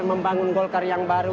membangun golkar yang baru